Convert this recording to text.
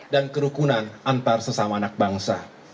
dan kerukunan antar sesama anak bangsa